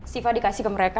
siva dikasih ke mereka